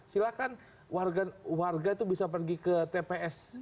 silahkan warga itu bisa pergi ke tps